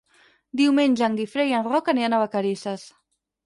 Diumenge en Guifré i en Roc aniran a Vacarisses.